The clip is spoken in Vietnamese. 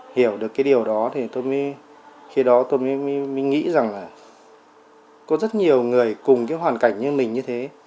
hiểu được cái điều đó thì tôi mới khi đó tôi mới nghĩ rằng là có rất nhiều người cùng cái hoàn cảnh như mình như thế